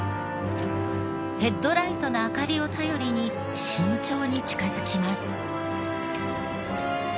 ヘッドライトの明かりを頼りに慎重に近づきます。